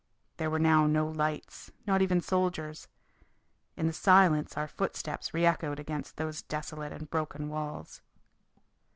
There were now no lights, not even soldiers. In the silence our footsteps re echoed against those desolate and broken walls.